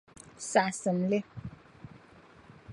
Saɣisimi li.